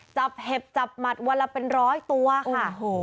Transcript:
จับเห็บจับหมัดวันละเป็นร้อยตัวค่ะ